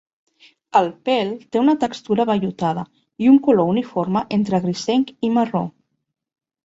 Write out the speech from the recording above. El pèl té una textura vellutada i un color uniforme entre grisenc i marró.